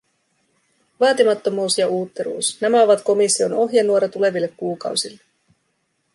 Vaatimattomuus ja uutteruus: nämä ovat komission ohjenuora tuleville kuukausille.